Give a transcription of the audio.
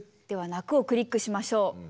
では「泣く」をクリックしましょう。